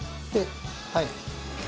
はい。